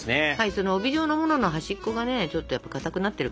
その帯状のものの端っこがねちょっとかたくなってるから。